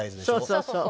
そうそうそう。